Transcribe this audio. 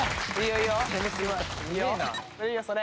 いいよそれ！